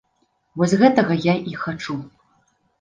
Вось гэтага я і хачу.